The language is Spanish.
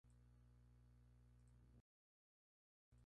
Documentales, conferencias, cursos.